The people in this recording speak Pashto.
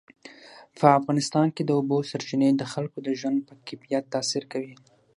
په افغانستان کې د اوبو سرچینې د خلکو د ژوند په کیفیت تاثیر کوي.